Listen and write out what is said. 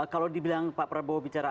kalau dibilang pak prabowo bicara